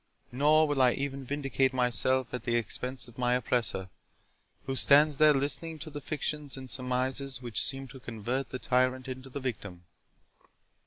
Nor will I even vindicate myself at the expense of my oppressor, who stands there listening to the fictions and surmises which seem to convert the tyrant into the victim.